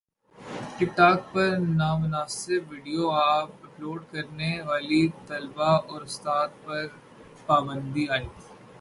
ٹک talk پر نامناسب video upload کرنے والی طالبہ اور استاد پر پابندی عائد